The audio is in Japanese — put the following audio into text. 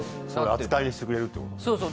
扱いにしてくれるってことね。